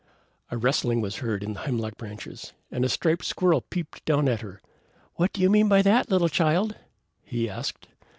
A rustling was heard in the hemlock branches, and a striped squirrel peeped down at her. "What do you mean by that, little Child?" he asked.